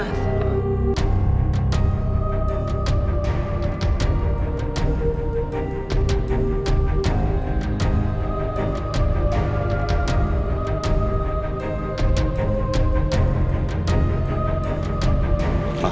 agak sedikit sakit rasul